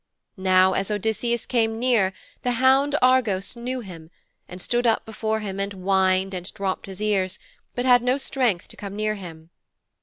Now as Odysseus came near, the hound Argos knew him, and stood up before him and whined and dropped his ears, but had no strength to come near him.